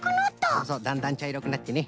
そうそうだんだんちゃいろくなってね。